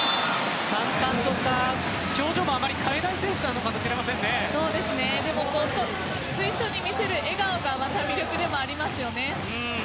淡々とした表情もあまり変えないでも随所に見せる笑顔がまた魅力でもありますよね。